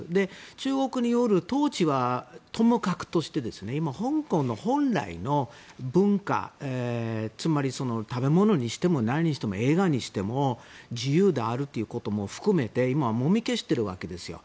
中国による統治はともかくとして今、香港の本来の文化つまり食べ物にしても映画にしても自由であるということも含めてもみ消しているわけですよ。